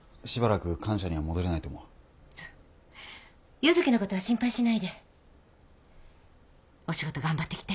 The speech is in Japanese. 柚希のことは心配しないでお仕事頑張ってきて。